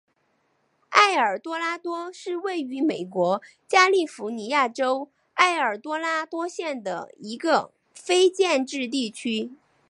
埃尔多拉多是位于美国加利福尼亚州埃尔多拉多县的一个非建制地区。